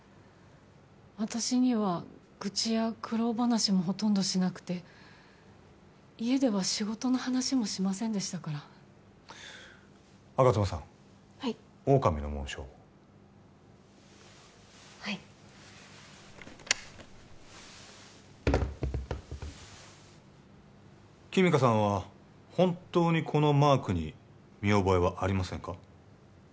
私には愚痴や苦労話もほとんどしなくて家では仕事の話もしませんでしたから吾妻さんはい狼の紋章をはい君香さんは本当にこのマークに見覚えはありませんか？